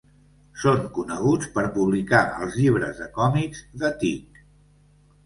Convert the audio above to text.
Són coneguts per publicar els llibres de còmics The Tick.